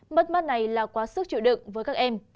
mất mát này là quá sức chịu đựng với các em